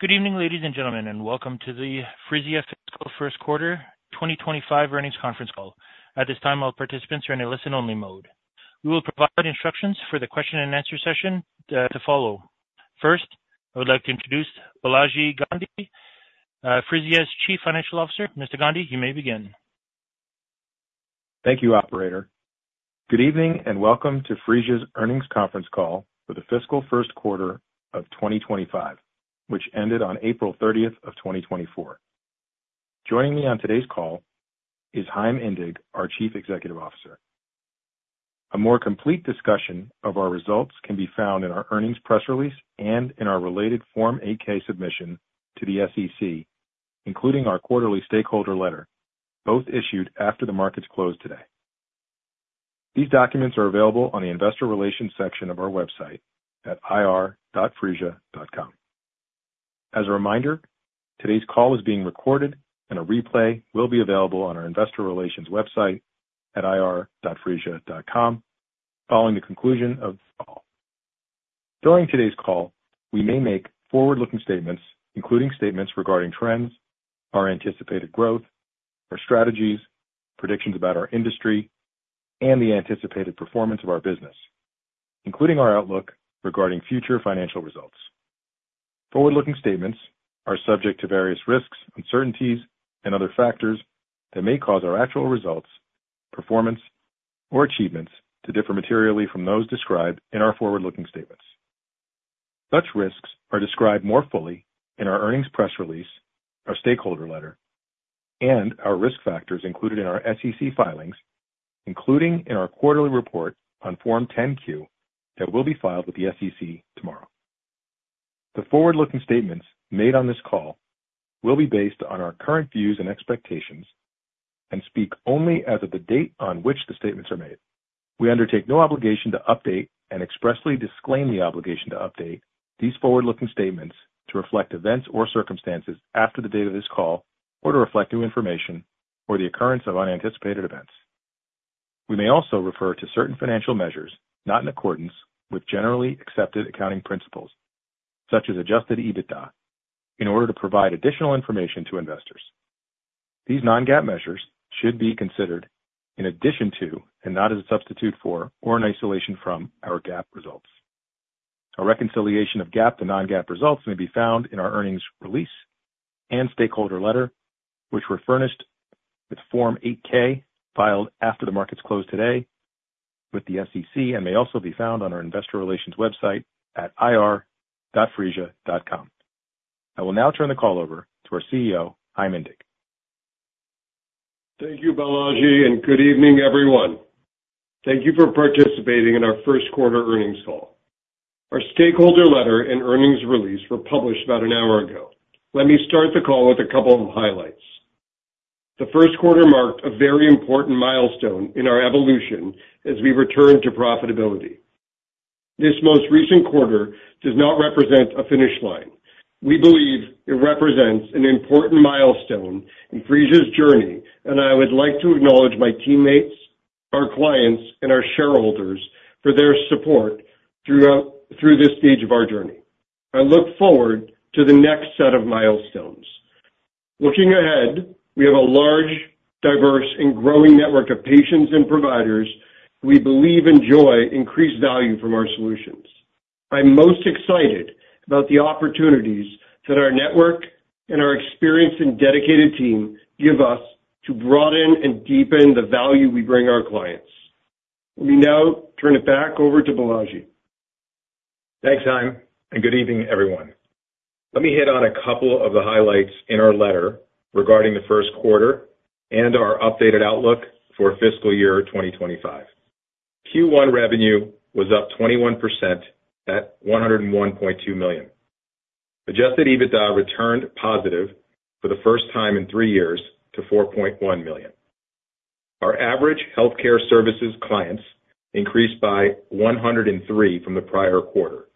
Good evening, ladies and gentlemen, and welcome to the Phreesia Fiscal First Quarter 2025 Earnings Conference Call. At this time, all participants are in a listen-only mode. We will provide instructions for the question and answer session, to follow. First, I would like to introduce Balaji Gandhi, Phreesia's Chief Financial Officer. Mr. Gandhi, you may begin. Thank you, operator. Good evening, and welcome to Phreesia's earnings conference call for the fiscal first quarter of 2025, which ended on April 30th of 2024. Joining me on today's call is Chaim Indig, our Chief Executive Officer. A more complete discussion of our results can be found in our earnings press release and in our related Form 8-K submission to the SEC, including our quarterly stakeholder letter, both issued after the markets closed today. These documents are available on the investor relations section of our website at ir.phreesia.com. As a reminder, today's call is being recorded, and a replay will be available on our investor relations website at ir.phreesia.com following the conclusion of this call. During today's call, we may make forward-looking statements, including statements regarding trends, our anticipated growth, our strategies, predictions about our industry, and the anticipated performance of our business, including our outlook regarding future financial results. Forward-looking statements are subject to various risks, uncertainties, and other factors that may cause our actual results, performance, or achievements to differ materially from those described in our forward-looking statements. Such risks are described more fully in our earnings press release, our stakeholder letter, and our risk factors included in our SEC filings, including in our quarterly report on Form 10-Q that will be filed with the SEC tomorrow. The forward-looking statements made on this call will be based on our current views and expectations and speak only as of the date on which the statements are made. We undertake no obligation to update and expressly disclaim the obligation to update these forward-looking statements to reflect events or circumstances after the date of this call or to reflect new information or the occurrence of unanticipated events. We may also refer to certain financial measures not in accordance with generally accepted accounting principles, such as Adjusted EBITDA, in order to provide additional information to investors. These non-GAAP measures should be considered in addition to and not as a substitute for or in isolation from our GAAP results. A reconciliation of GAAP to non-GAAP results may be found in our earnings release and stakeholder letter, which were furnished with Form 8-K, filed after the markets closed today with the SEC and may also be found on our investor relations website at ir.phreesia.com. I will now turn the call over to our CEO, Chaim Indig. Thank you, Balaji, and good evening, everyone. Thank you for participating in our first quarter earnings call. Our stakeholder letter and earnings release were published about an hour ago. Let me start the call with a couple of highlights. The first quarter marked a very important milestone in our evolution as we return to profitability. This most recent quarter does not represent a finish line. We believe it represents an important milestone in Phreesia's journey, and I would like to acknowledge my teammates, our clients, and our shareholders for their support throughout this stage of our journey. I look forward to the next set of milestones. Looking ahead, we have a large, diverse, and growing network of patients and providers we believe enjoy increased value from our solutions. I'm most excited about the opportunities that our network and our experienced and dedicated team give us to broaden and deepen the value we bring our clients. Let me now turn it back over to Balaji. Thanks, Chaim, and good evening, everyone. Let me hit on a couple of the highlights in our letter regarding the first quarter and our updated outlook for fiscal year 2025. Q1 revenue was up 21% at $101.2 million. Adjusted EBITDA returned positive for the first time in three years to $4.1 million. Our average healthcare services clients increased by 103 from the prior quarter,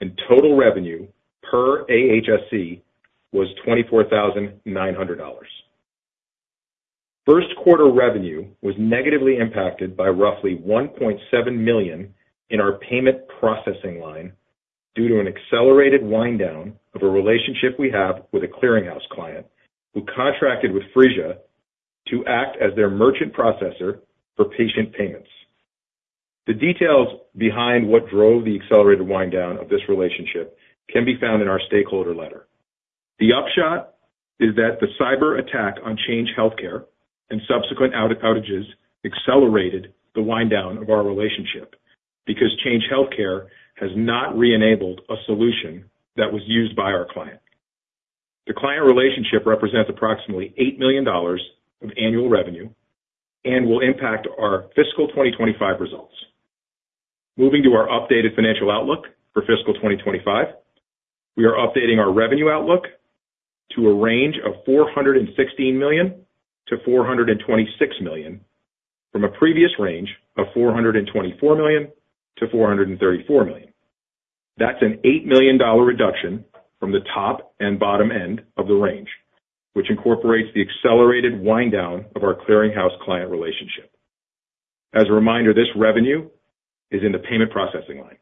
and total revenue per AHSC was $24,900. First quarter revenue was negatively impacted by roughly $1.7 million in our payment processing line due to an accelerated wind down of a relationship we have with a clearinghouse client, who contracted with Phreesia to act as their merchant processor for patient payments. The details behind what drove the accelerated wind down of this relationship can be found in our stakeholder letter. The upshot is that the cyberattack on Change Healthcare and subsequent outages accelerated the wind down of our relationship, because Change Healthcare has not reenabled a solution that was used by our client. The client relationship represents approximately $8 million of annual revenue and will impact our fiscal 2025 results. Moving to our updated financial outlook for fiscal 2025, we are updating our revenue outlook to a range of $416 million-$426 million, from a previous range of $424 million-$434 million. That's an $8 million reduction from the top and bottom end of the range, which incorporates the accelerated wind down of our clearinghouse client relationship. As a reminder, this revenue is in the payment processing line.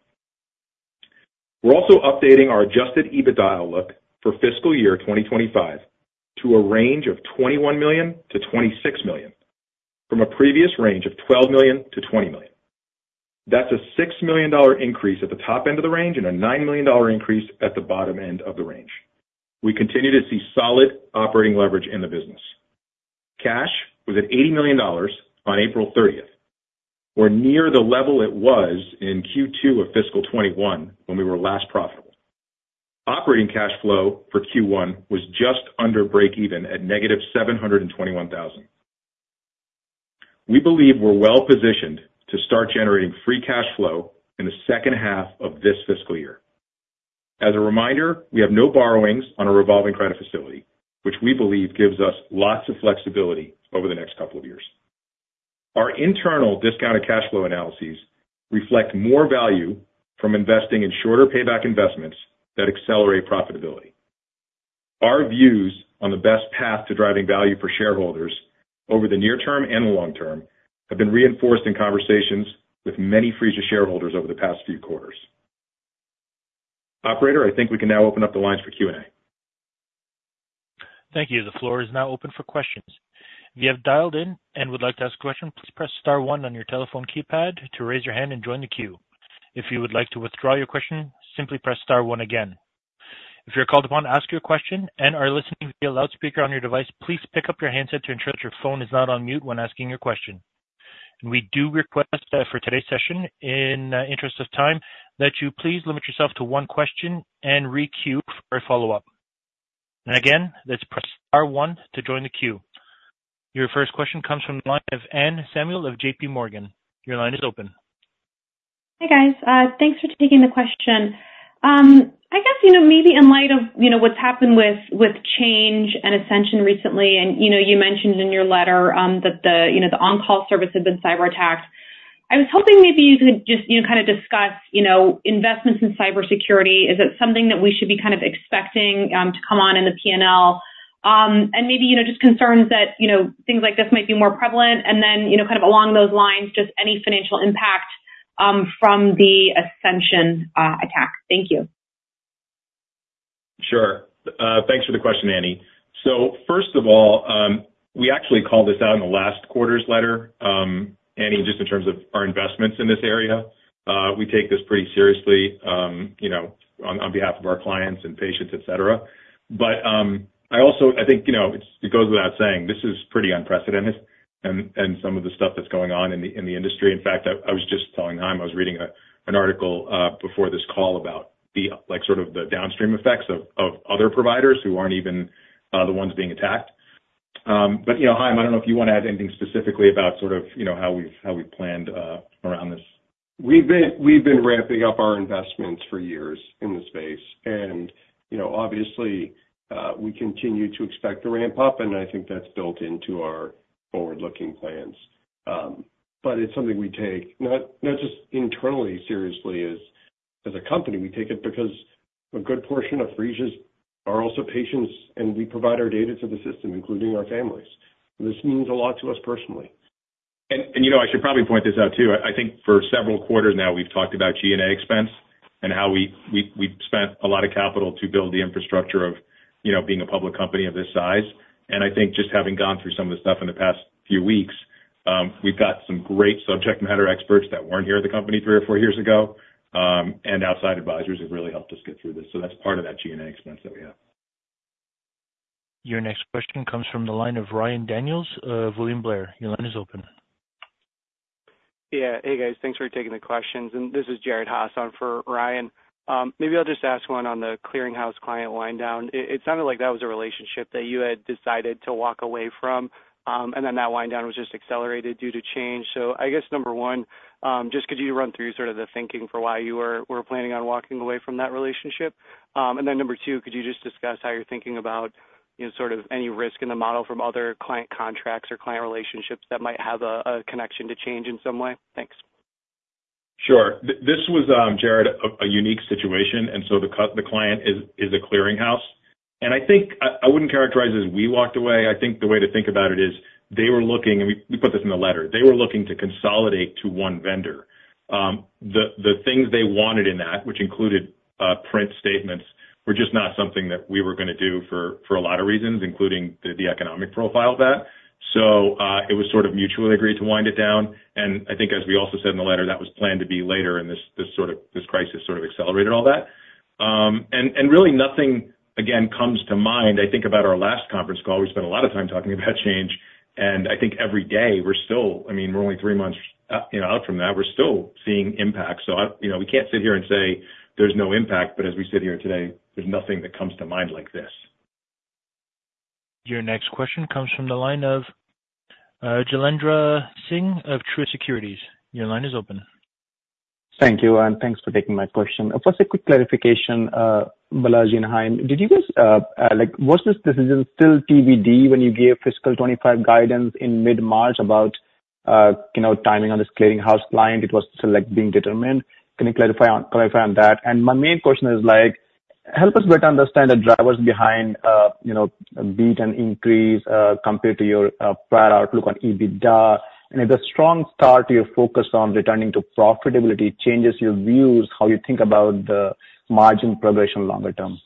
We're also updating our Adjusted EBITDA outlook for fiscal year 2025 to a range of $21 million-$26 million, from a previous range of $12 million-$20 million. That's a $6 million increase at the top end of the range and a $9 million increase at the bottom end of the range. We continue to see solid operating leverage in the business. Cash was at $80 million on April 30th. We're near the level it was in Q2 of fiscal 2021, when we were last profitable. Operating cash flow for Q1 was just under breakeven at -$721,000. We believe we're well positioned to start generating free cash flow in the second half of this fiscal year. As a reminder, we have no borrowings on a revolving credit facility, which we believe gives us lots of flexibility over the next couple of years. Our internal discounted cash flow analyses reflect more value from investing in shorter payback investments that accelerate profitability. Our views on the best path to driving value for shareholders over the near term and the long term, have been reinforced in conversations with many Phreesia shareholders over the past few quarters. Operator, I think we can now open up the lines for Q&A. Thank you. The floor is now open for questions. If you have dialed in and would like to ask a question, please press star one on your telephone keypad to raise your hand and join the queue. If you would like to withdraw your question, simply press star one again. If you're called upon to ask your question and are listening via loudspeaker on your device, please pick up your handset to ensure that your phone is not on mute when asking your question. We do request, for today's session, in the interest of time, that you please limit yourself to one question and re-queue for a follow-up. Again, let's press star one to join the queue. Your first question comes from the line of Anne Samuel of JPMorgan. Your line is open. Hi, guys. Thanks for taking the question. I guess, you know, maybe in light of, you know, what's happened with, with Change and Ascension recently, and, you know, you mentioned in your letter, that the, you know, the on-call service had been cyber-attacked. I was hoping maybe you could just, you know, kind of discuss, you know, investments in cybersecurity. Is it something that we should be kind of expecting, to come on in the P&L? And maybe, you know, just concerns that, you know, things like this might be more prevalent, and then, you know, kind of along those lines, just any financial impact, from the Ascension attack? Thank you. Sure. Thanks for the question, Annie. So first of all, we actually called this out in the last quarter's letter, Annie, just in terms of our investments in this area. We take this pretty seriously, you know, on behalf of our clients and patients, et cetera. But I also, I think, you know, it goes without saying, this is pretty unprecedented and some of the stuff that's going on in the industry. In fact, I was just telling Chaim, I was reading an article before this call about the like, sort of the downstream effects of other providers who aren't even the ones being attacked. But you know, Chaim, I don't know if you want to add anything specifically about sort of, you know, how we've planned around this. We've been ramping up our investments for years in the space and, you know, obviously, we continue to expect to ramp up, and I think that's built into our forward-looking plans. But it's something we take not just internally seriously as a company; we take it because a good portion of Phreesia's are also patients, and we provide our data to the system, including our families. This means a lot to us personally. You know, I should probably point this out, too. I think for several quarters now, we've talked about G&A expense and how we've spent a lot of capital to build the infrastructure of, you know, being a public company of this size. And I think just having gone through some of the stuff in the past few weeks, we've got some great subject matter experts that weren't here at the company three or four years ago, and outside advisors have really helped us get through this. So that's part of that G&A expense that we have. Your next question comes from the line of Ryan Daniels of William Blair. Your line is open. Yeah. Hey, guys, thanks for taking the questions. And this is Jared Haase on for Ryan. Maybe I'll just ask one on the clearinghouse client wind down. It sounded like that was a relationship that you had decided to walk away from, and then that wind down was just accelerated due to Change. So I guess, number one, just could you run through sort of the thinking for why you were planning on walking away from that relationship? And then number two, could you just discuss how you're thinking about, you know, sort of any risk in the model from other client contracts or client relationships that might have a connection to Change in some way? Thanks. Sure. This was, Jared, a unique situation, and so the client is a clearinghouse. And I think I wouldn't characterize it as we walked away. I think the way to think about it is they were looking... And we put this in the letter. They were looking to consolidate to one vendor. The things they wanted in that, which included print statements, were just not something that we were going to do for a lot of reasons, including the economic profile of that. So, it was sort of mutually agreed to wind it down, and I think as we also said in the letter, that was planned to be later in this crisis sort of accelerated all that. And really nothing, again, comes to mind. I think about our last conference call, we spent a lot of time talking about Change Healthcare, and I think every day we're still, I mean, we're only three months, you know, out from that, we're still seeing impacts. So I... You know, we can't sit here and say there's no impact, but as we sit here today, there's nothing that comes to mind like this. Your next question comes from the line of, Jailendra Singh of Truist Securities. Your line is open. Thank you, and thanks for taking my question. First, a quick clarification, Balaji and Chaim, did you guys, like, was this decision still TBD when you gave fiscal 25 guidance in mid-March about, you know, timing on this clearinghouse client? It was still, like, being determined. Can you clarify on, clarify on that? And my main question is like- ... Help us better understand the drivers behind, you know, beat and increase compared to your prior outlook on EBITDA? If the strong start you're focused on returning to profitability changes your views, how you think about the margin progression longer term?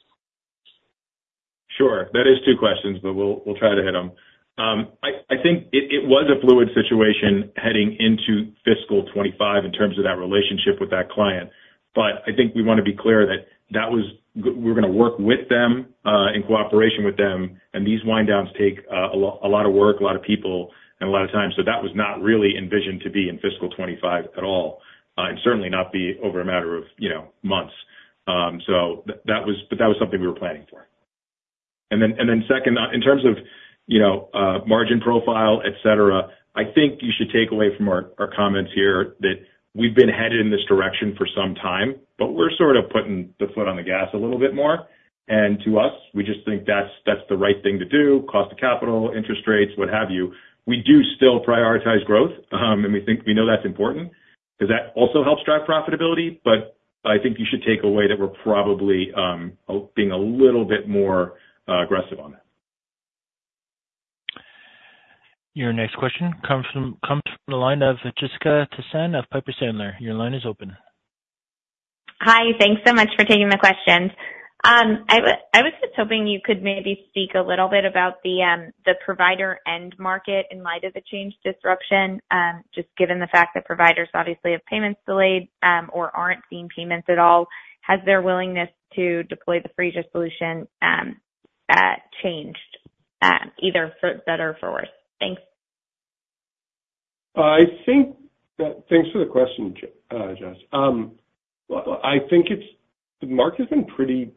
Sure. That is two questions, but we'll try to hit them. I think it was a fluid situation heading into fiscal 2025 in terms of that relationship with that client. But I think we want to be clear that that was. We're gonna work with them in cooperation with them, and these wind downs take a lot of work, a lot of people, and a lot of time. So that was not really envisioned to be in fiscal 2025 at all, and certainly not be over a matter of, you know, months. So that was, but that was something we were planning for. And then second, in terms of, you know, margin profile, et cetera, I think you should take away from our comments here that we've been headed in this direction for some time, but we're sort of putting the foot on the gas a little bit more. And to us, we just think that's the right thing to do, cost of capital, interest rates, what have you. We do still prioritize growth, and we think we know that's important because that also helps drive profitability. But I think you should take away that we're probably being a little bit more aggressive on that. Your next question comes from the line of Jessica Tassan of Piper Sandler. Your line is open. Hi, thanks so much for taking the questions. I was just hoping you could maybe speak a little bit about the provider end market in light of the Change disruption, just given the fact that providers obviously have payments delayed, or aren't seeing payments at all. Has their willingness to deploy the Phreesia solution changed, either for better or for worse? Thanks. Thanks for the question, Jess. I think the market has been pretty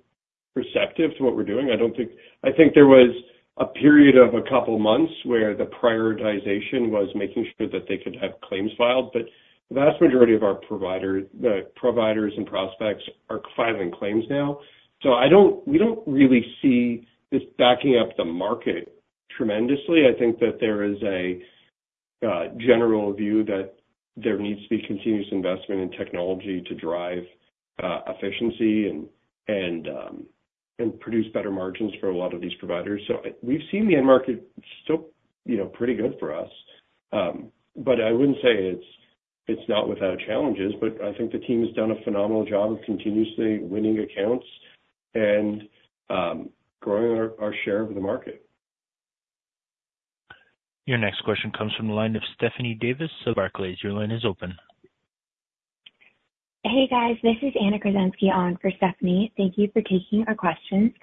perceptive to what we're doing. I think there was a period of a couple months where the prioritization was making sure that they could have claims filed, but the vast majority of our providers and prospects are filing claims now. So we don't really see this backing up the market tremendously. I think that there is a general view that there needs to be continuous investment in technology to drive efficiency and produce better margins for a lot of these providers. So we've seen the end market still, you know, pretty good for us. But I wouldn't say it's not without challenges, but I think the team has done a phenomenal job of continuously winning accounts and growing our share of the market. Your next question comes from the line of Stephanie Davis of Barclays. Your line is open. Hey, guys, this is Anna Kruszenski on for Stephanie. Thank you for taking our questions.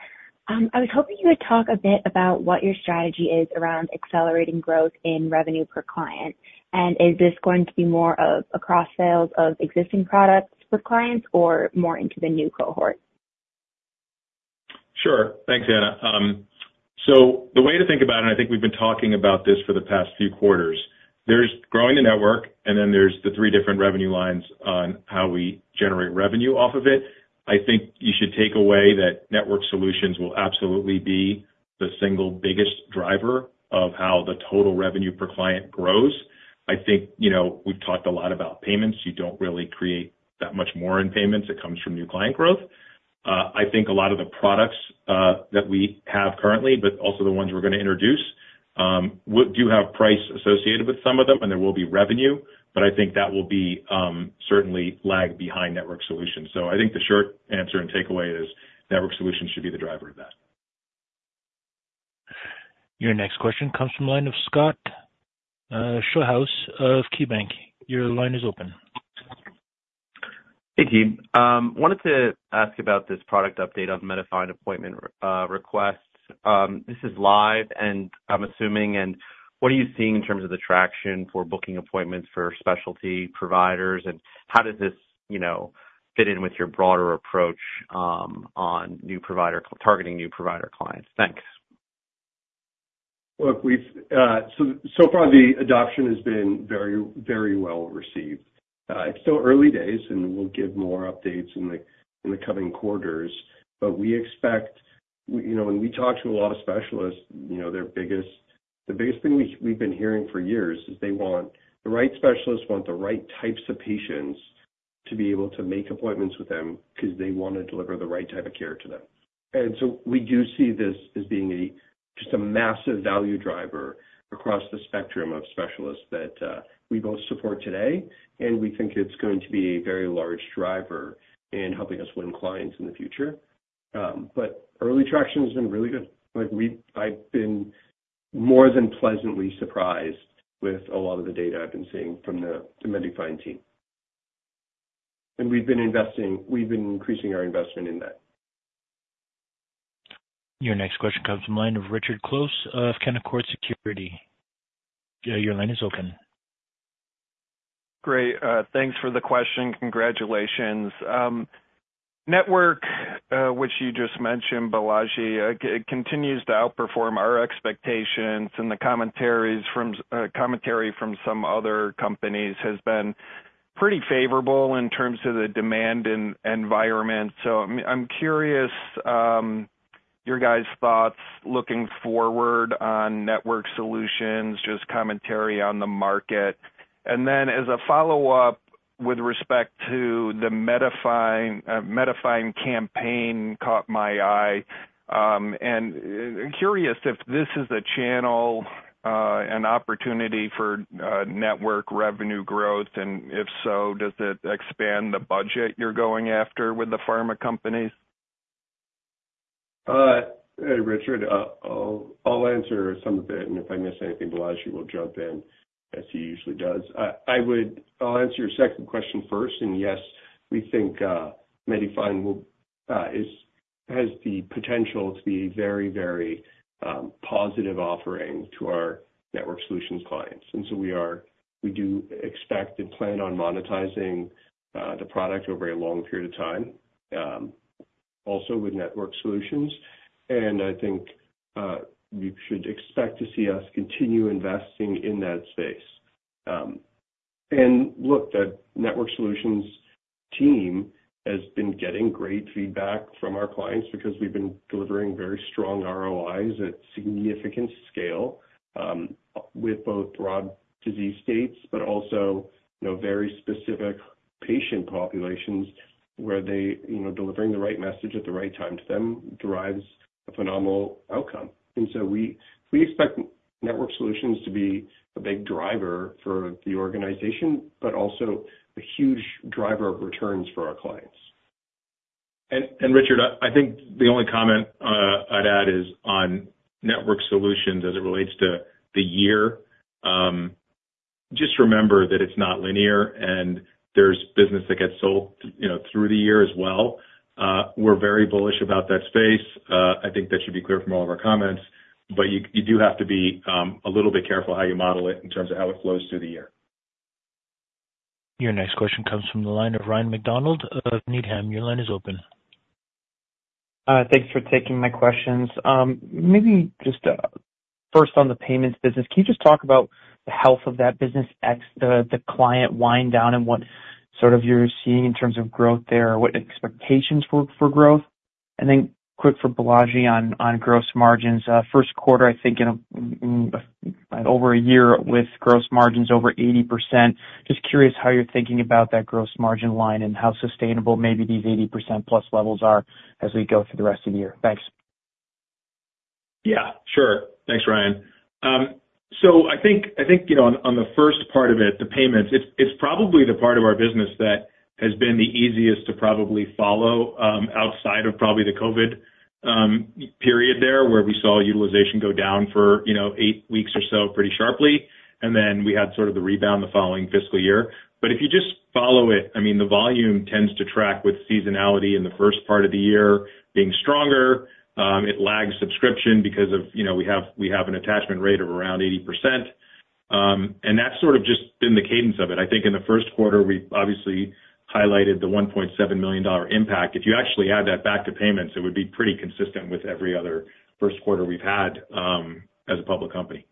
I was hoping you would talk a bit about what your strategy is around accelerating growth in revenue per client. And is this going to be more of a cross-sell of existing products with clients or more into the new cohort? Sure. Thanks, Anna. So the way to think about it, I think we've been talking about this for the past few quarters. There's growing the network, and then there's the three different revenue lines on how we generate revenue off of it. I think you should take away that network solutions will absolutely be the single biggest driver of how the total revenue per client grows. I think, you know, we've talked a lot about payments. You don't really create that much more in payments. It comes from new client growth. I think a lot of the products that we have currently, but also the ones we're gonna introduce, do have price associated with some of them, and there will be revenue, but I think that will be certainly lag behind network solutions. I think the short answer and takeaway is network solutions should be the driver of that. Your next question comes from the line of Scott Schoenhaus of KeyBanc. Your line is open. Hey, team, wanted to ask about this product update on MediFind appointment request. This is live, and I'm assuming, and what are you seeing in terms of the traction for booking appointments for specialty providers, and how does this, you know, fit in with your broader approach, on new provider- targeting new provider clients? Thanks. Look, we've so far the adoption has been very, very well received. It's still early days, and we'll give more updates in the coming quarters, but we expect you know, when we talk to a lot of specialists, you know, the biggest thing we've been hearing for years is they want the right specialists want the right types of patients to be able to make appointments with them because they want to deliver the right type of care to them. And so we do see this as being just a massive value driver across the spectrum of specialists that we both support today, and we think it's going to be a very large driver in helping us win clients in the future. But early traction has been really good. Like I've been more than pleasantly surprised with a lot of the data I've been seeing from the MediFind team. We've been investing, we've been increasing our investment in that. Your next question comes from the line of Richard Close of Canaccord Genuity. Your line is open. Great, thanks for the question. Congratulations. Network, which you just mentioned, Balaji, it continues to outperform our expectations, and the commentary from some other companies has been pretty favorable in terms of the demand and environment. So I'm curious, your guys' thoughts looking forward on network solutions, just commentary on the market. And then as a follow-up, with respect to the MediFind, MediFind campaign caught my eye, and I'm curious if this is a channel, an opportunity for, network revenue growth, and if so, does it expand the budget you're going after with the pharma companies? Hey, Richard, I'll, I'll answer some of it, and if I miss anything, Balaji will jump in, as he usually does. I'll answer your second question first. Yes, we think MediFind has the potential to be very, very positive offering to our network solutions clients, and so we are, we do expect and plan on monetizing the product over a long period of time, also with network solutions. I think you should expect to see us continue investing in that space. And look, the network solutions team has been getting great feedback from our clients because we've been delivering very strong ROIs at significant scale, with both broad disease states, but also, you know, very specific patient populations, where they, you know, delivering the right message at the right time to them derives a phenomenal outcome. And so we expect network solutions to be a big driver for the organization, but also a huge driver of returns for our clients. Richard, I think the only comment I'd add is on network solutions as it relates to the year. Just remember that it's not linear, and there's business that gets sold, you know, through the year as well. We're very bullish about that space. I think that should be clear from all of our comments, but you do have to be a little bit careful how you model it in terms of how it flows through the year. Your next question comes from the line of Ryan MacDonald of Needham & Company. Your line is open. Thanks for taking my questions. Maybe just first on the payments business, can you just talk about the health of that business ex the, the client wind down and what sort of you're seeing in terms of growth there, or what expectations for, for growth? And then quick for Balaji on, on gross margins. First quarter, I think, in a over a year with gross margins over 80%. Just curious how you're thinking about that gross margin line and how sustainable maybe these 80% plus levels are as we go through the rest of the year. Thanks. Yeah, sure. Thanks, Ryan. So I think, you know, on the first part of it, the payments, it's probably the part of our business that has been the easiest to probably follow outside of probably the COVID period there, where we saw utilization go down for, you know, eight weeks or so, pretty sharply, and then we had sort of the rebound the following fiscal year. But if you just follow it, I mean, the volume tends to track with seasonality in the first part of the year being stronger. It lags subscription because of, you know, we have an attachment rate of around 80%, and that's sort of just been the cadence of it. I think in the first quarter, we obviously highlighted the $1.7 million impact. If you actually add that back to payments, it would be pretty consistent with every other first quarter we've had as a public company.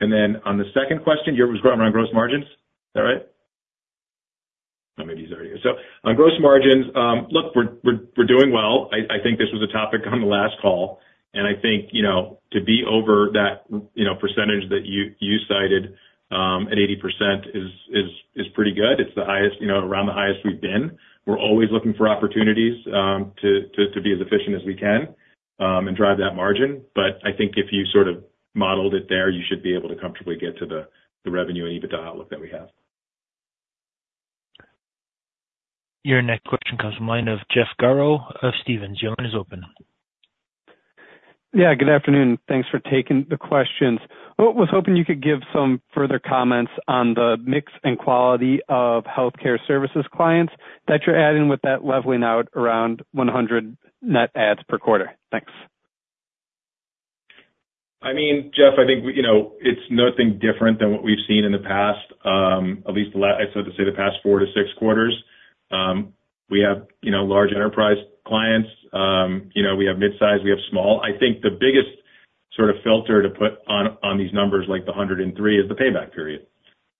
And then on the second question, you were asking around gross margins? Is that right? Oh, maybe he's already here. So on gross margins, look, we're doing well. I think this was a topic on the last call, and I think, you know, to be over that, you know, percentage that you cited at 80% is pretty good. It's the highest, you know, around the highest we've been. We're always looking for opportunities to be as efficient as we can and drive that margin. But I think if you sort of modeled it there, you should be able to comfortably get to the revenue and EBITDA outlook that we have. Your next question comes from the line of Jeff Garro of Stephens. Your line is open. Yeah, good afternoon. Thanks for taking the questions. I was hoping you could give some further comments on the mix and quality of healthcare services clients that you're adding with that leveling out around 100 net adds per quarter. Thanks. I mean, Jeff, I think we, you know, it's nothing different than what we've seen in the past, at least the last, so to say, the past four-six quarters. We have, you know, large enterprise clients, you know, we have mid-size, we have small. I think the biggest sort of filter to put on these numbers, like the 103, is the payback period.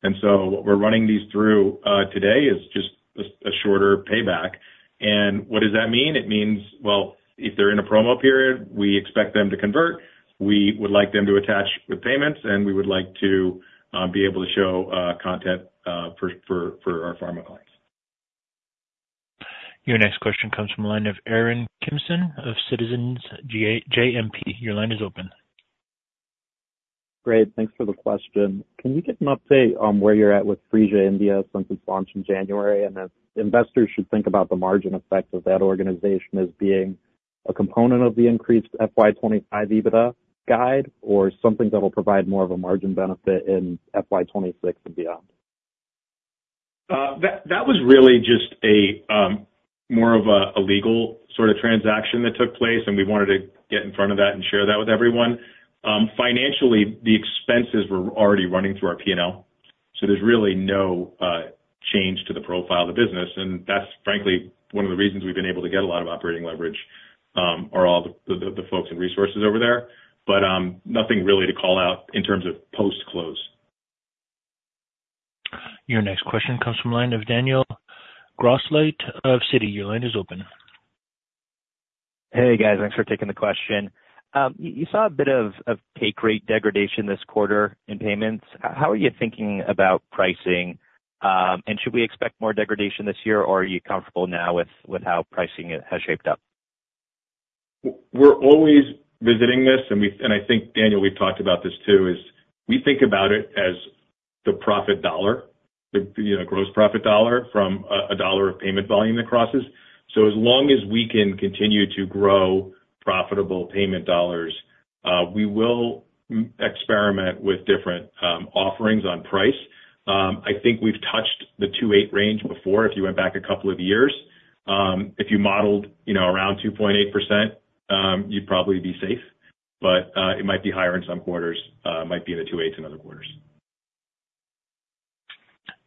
And so we're running these through today is just a shorter payback. And what does that mean? It means, well, if they're in a promo period, we expect them to convert. We would like them to attach with payments, and we would like to be able to show content for our pharma clients. Your next question comes from the line of Aaron Kimson of Citizens JMP. Your line is open. Great, thanks for the question. Can we get an update on where you're at with Phreesia India since its launch in January? And if investors should think about the margin effect of that organization as being a component of the increased FY 2025 EBITDA guide or something that will provide more of a margin benefit in FY 2026 and beyond? That was really just more of a legal sort of transaction that took place, and we wanted to get in front of that and share that with everyone. Financially, the expenses were already running through our P&L, so there's really no change to the profile of the business, and that's frankly one of the reasons we've been able to get a lot of operating leverage are all the folks and resources over there. But nothing really to call out in terms of post-close.... Your next question comes from line of Daniel Grosslight of Citi. Your line is open. Hey, guys. Thanks for taking the question. You saw a bit of take rate degradation this quarter in payments. How are you thinking about pricing? And should we expect more degradation this year, or are you comfortable now with how pricing has shaped up? We're always visiting this, and I think, Daniel, we've talked about this too, is we think about it as the profit dollar, the, you know, gross profit dollar from a dollar of payment volume that crosses. So as long as we can continue to grow profitable payment dollars, we will experiment with different offerings on price. I think we've touched the 2.8 range before, if you went back a couple of years. If you modeled, you know, around 2.8%, you'd probably be safe, but it might be higher in some quarters, might be in the 2.8s in other quarters.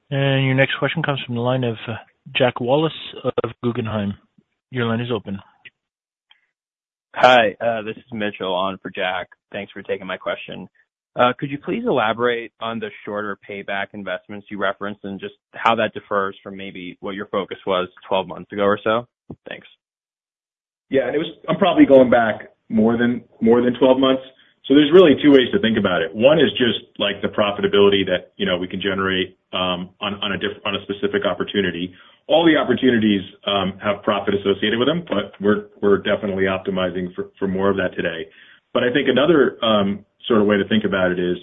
Your next question comes from the line of Jack Wallace of Guggenheim. Your line is open. Hi, this is Mitchell on for Jack. Thanks for taking my question. Could you please elaborate on the shorter payback investments you referenced and just how that differs from maybe what your focus was 12 months ago or so? Thanks. Yeah, and it was... I'm probably going back more than 12 months. So there's really two ways to think about it. One is just, like, the profitability that, you know, we can generate on a specific opportunity. All the opportunities have profit associated with them, but we're definitely optimizing for more of that today. But I think another sort of way to think about it is,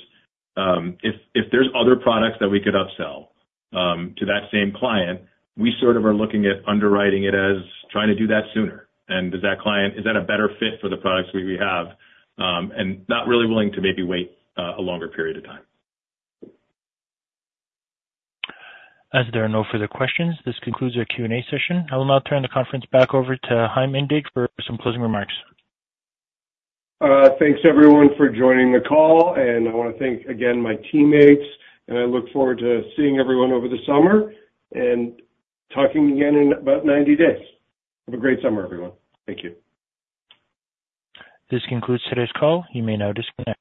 if there's other products that we could upsell to that same client, we sort of are looking at underwriting it as trying to do that sooner. And is that client a better fit for the products we have, and not really willing to maybe wait a longer period of time. As there are no further questions, this concludes our Q&A session. I will now turn the conference back over to Chaim Indig for some closing remarks. Thanks, everyone, for joining the call, and I want to thank again my teammates, and I look forward to seeing everyone over the summer and talking again in about 90 days. Have a great summer, everyone. Thank you. This concludes today's call. You may now disconnect.